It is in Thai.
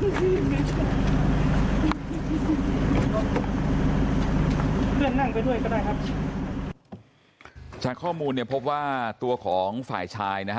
เพื่อนนั่งไปด้วยก็ได้ครับจากข้อมูลเนี่ยพบว่าตัวของฝ่ายชายนะฮะ